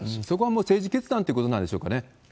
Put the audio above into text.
そこはもう政治決断ということになるんでしょうかね。